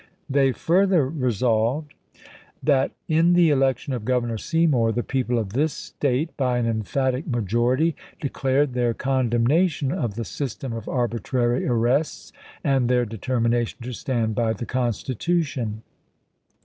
They chap. xii. further resolved : That in the election of Governor Seymour the people of this State, by an emphatic majority, declared their con demnation of the system of arbitrary arrests, and their determination to stand by the Constitution.